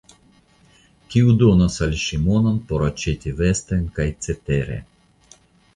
Kiu donos al ŝi monon por aĉeti vestojn kaj cetere.